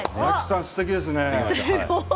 すてきですね。